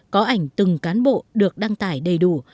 có ảnh từng cán bộ được đăng tải đầy đủ